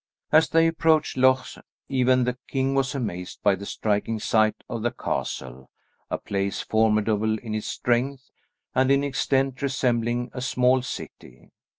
As they approached Loches even the king was amazed by the striking sight of the castle, a place formidable in its strength, and in extent resembling a small city.